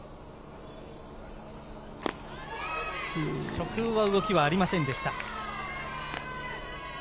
初球は動きはありませんでした。